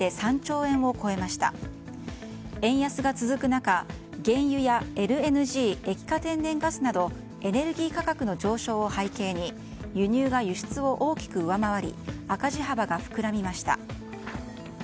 円安が続く中、原油やＬＮＧ・液化天然ガスなどエネルギー価格の上昇を背景に輸入が輸出を大きく上回り赤字幅が膨らみました。